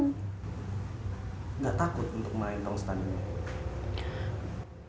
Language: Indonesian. gak takut untuk main tong setan ini